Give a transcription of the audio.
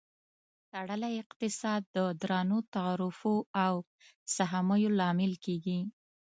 تړلی اقتصاد د درنو تعرفو او سهمیو لامل کیږي.